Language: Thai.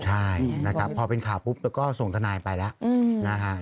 ใช่พอเป็นข่าวปุ๊บก็ส่งทนายไปแล้ว